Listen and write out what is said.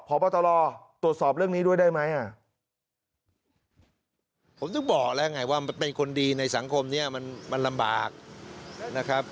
เป็นคนดีในสังคมนี้มันลำบากนะครับ